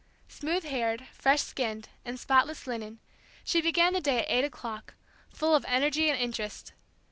Smooth haired, fresh skinned, in spotless linen, she began the day at eight o'clock, full of energy and interest.